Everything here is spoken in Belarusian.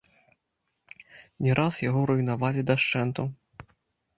Не раз яго руйнавалі дашчэнту.